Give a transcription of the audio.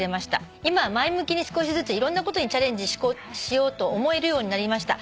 「今は前向きに少しずついろんなことにチャレンジしようと思えるようになりました」